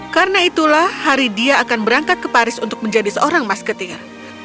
karena itulah hari dia akan berangkat ke paris untuk menjadi seorang masketir